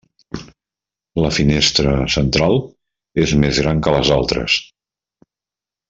La finestra central és més gran que les altres.